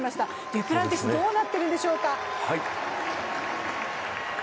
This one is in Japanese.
デュプランティス、どうなっているんでしょうか？